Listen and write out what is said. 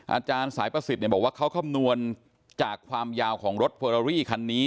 อาจารย์สายประสิทธิ์บอกว่าเขาคำนวณจากความยาวของรถเฟอรารี่คันนี้